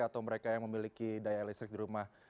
atau mereka yang memiliki daya listrik di rumah